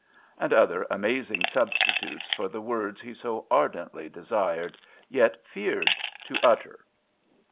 and other amazing substitutes for the words he so ardently desired, yet feared, to utter.